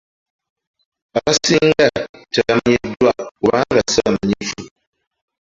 Abasinga tebamanyiddwa kubanga sibamanyifu.